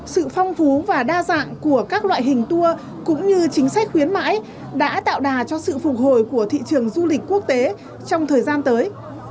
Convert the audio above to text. sự phong phú và đa dạng của các loại hình tour cũng như chính sách khuyến mãi đã tạo đà cho sự phục hồi của thị trường du lịch quốc tế trong thời gian tới